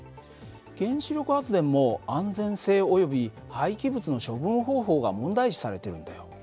原子力発電も安全性および廃棄物の処分方法が問題視されてるんだよ。